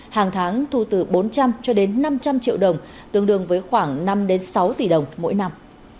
hàng tháng thu từ bốn trăm linh cho đến năm trăm linh triệu đồng tương đương với khoảng năm sáu tỷ đồng mỗi năm